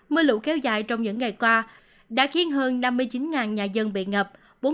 mưa lũ kéo dài trong những ngày qua đã khiến hơn năm mươi chín nhà dân bị ngập